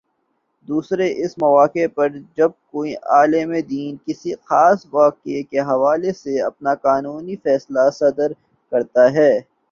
دوسرے اس موقع پر جب کوئی عالمِ دین کسی خاص واقعے کے حوالے سے اپنا قانونی فیصلہ صادر کرتا ہے